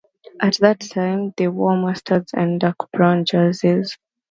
At that time they wore Mustard and Dark Brown jerseys.